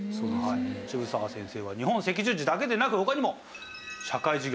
渋沢先生は日本赤十字だけでなく他にも社会事業